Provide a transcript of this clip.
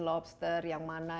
lobster yang mana